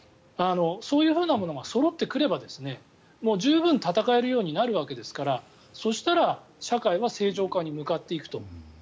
そういうものがそろってくれば十分、闘えるようになるわけですからそしたら社会は正常化に向かっていくと。